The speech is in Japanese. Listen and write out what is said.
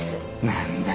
何だ？